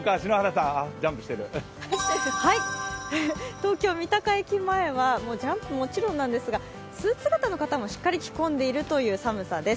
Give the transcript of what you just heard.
東京・三鷹駅前はジャンプはもちろんなんですがスーツ姿の方もしっかり着込んでいるという寒さです。